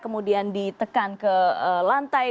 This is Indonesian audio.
kemudian ditekan ke lantai